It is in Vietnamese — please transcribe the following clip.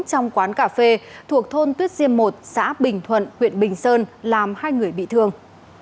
trong quán cà phê thuộc thôn tuyết diêm một xã bình thuận huyện bình sơn làm hai người bị thương